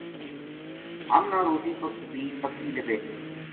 ہمنا روٹی بی پکی لبھے گی